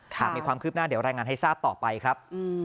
หากมีความคืบหน้าเดี๋ยวรายงานให้ทราบต่อไปครับ